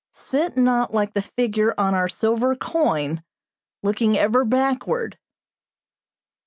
Sit not like the figure on our silver coin, looking ever backward.